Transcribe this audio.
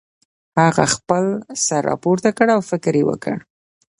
هغه خپل سر راپورته کړ او فکر یې وکړ